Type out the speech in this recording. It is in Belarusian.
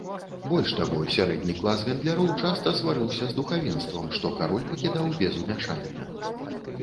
Больш таго, сярэдні клас гандляроў часта сварыўся з духавенствам, што кароль пакідаў без умяшання.